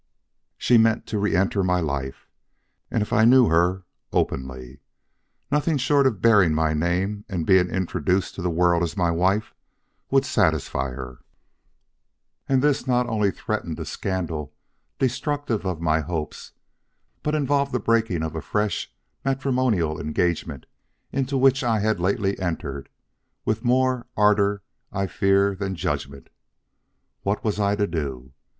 She meant to reënter my life, and if I knew her, openly. Nothing short of bearing my name and being introduced to the world as my wife would satisfy her; and this not only threatened a scandal destructive of my hopes, but involved the breaking of a fresh matrimonial engagement into which I had lately entered with more ardor I fear than judgment. What was I to do?